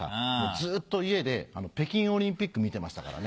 ずっと家で北京オリンピック見てましたからね。